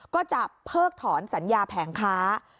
ก็จะเพิกถอนสัญญาแผงค้า